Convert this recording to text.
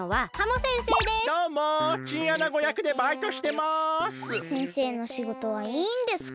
先生のしごとはいいんですか？